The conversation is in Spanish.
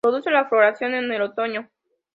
Produce la floración en el otoño.